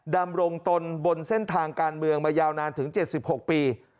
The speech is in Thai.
ดำรงตนบนเส้นทางการเมืองมายาวนานถึง๗๖ปี